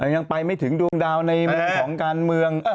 ยังไปไม่ถึงดวงดาวในมุมของการเมือง